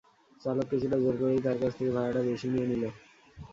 চালক কিছুটা জোর করেই তার কাছ থেকে ভাড়াটা বেশি নিয়ে নিল।